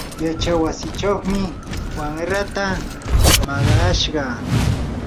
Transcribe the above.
yachaywasichawmi wamraata maqayashqa.